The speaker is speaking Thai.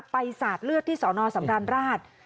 สาดเลือดที่สอนอสำราญราช